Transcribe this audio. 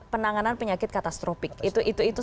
penanganan penyakit katastropik itu itu itu